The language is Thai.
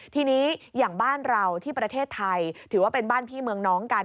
ทีนี้อย่างบ้านเราที่ประเทศไทยถือว่าเป็นบ้านพี่เมืองน้องกัน